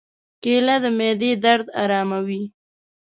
کېله د معدې درد آراموي.